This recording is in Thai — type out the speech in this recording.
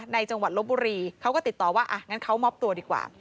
จังหวัดลบบุรีเขาก็ติดต่อว่าอ่ะงั้นเขามอบตัวดีกว่า